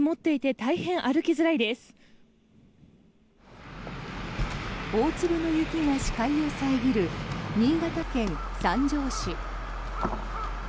大粒の雪が視界を遮る新潟県三条市。